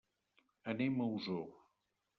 Anem a Osor.